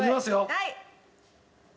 はい！